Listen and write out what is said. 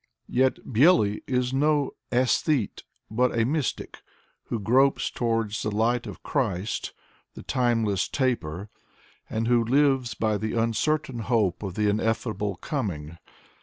Yet Bely is no esthete, but a mystic, who gropes toward the light of Christ, ''the timeless taper," and who lives by the uncertain hope of the ineffable coming.